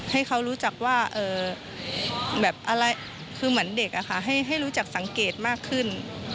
ให้เขารู้จักว่าแบบอะไรคือเหมือนเด็กให้รู้จักสังเกตมากขึ้น